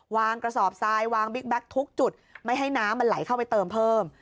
กระสอบทรายวางบิ๊กแก๊กทุกจุดไม่ให้น้ำมันไหลเข้าไปเติมเพิ่ม